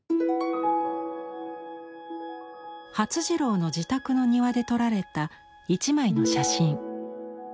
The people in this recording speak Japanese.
發次郎の自宅の庭で撮られた一枚の写真。